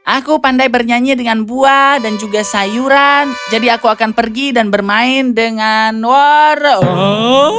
aku pandai bernyanyi dengan buah dan juga sayuran jadi aku akan pergi dan bermain dengan warung